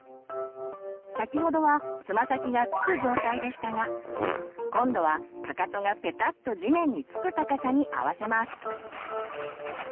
先ほどはつま先が着く状態でしたが今度はかかとがペタッと地面に着く高さに合わせます。